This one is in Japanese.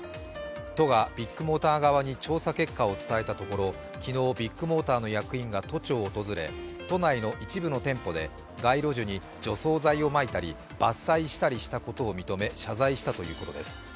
都がビッグモーター側に調査結果を伝えたところ昨日、ビッグモーターの役員が都庁を訪れ都内の一部の店舗で街路樹に除草剤を撒いたり伐採したりしたことなどを認め謝罪したということです。